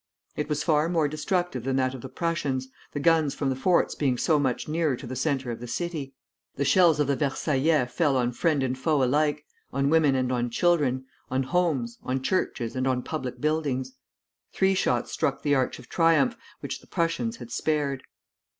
It was far more destructive than that of the Prussians, the guns from the forts being so much nearer to the centre of the city. The shells of the Versaillais fell on friend and foe alike, on women and on children, on homes, on churches, and on public buildings. Three shots struck the Arch of Triumph, which the Prussians had spared.